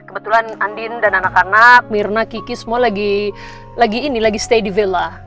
kebetulan andin dan anak anak mirna kiki semua lagi stay di villa